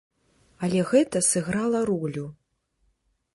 Але гэта сыграла ролю.